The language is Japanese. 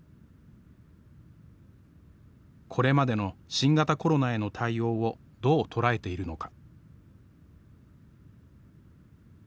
これまでの新型コロナへの対応をどう捉えているのか。